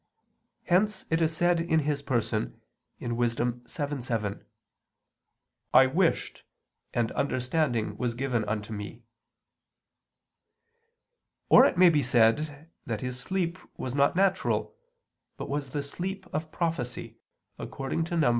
Hence it is said in his person (Wis. 7:7): "I wished, and understanding was given unto me." Or it may be said that his sleep was not natural, but was the sleep of prophecy, according to Num.